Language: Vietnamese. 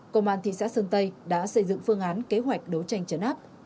công an thị xã sơn tây đã xây dựng phương án kế hoạch đấu tranh trấn áp